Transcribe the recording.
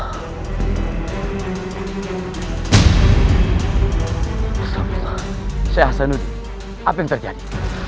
tapi dimana apa yang terjadi